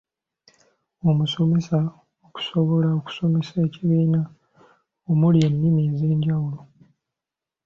Omusomesa okusobola okusomesa ekibiina omuli ennimi ez’enjawulo.